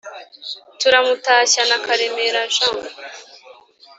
turamutashya na karemera jean